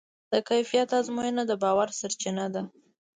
د کیفیت ازموینه د باور سرچینه ده.